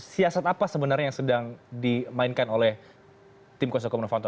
siasat apa sebenarnya yang sedang dimainkan oleh tim kuasa hukum novanto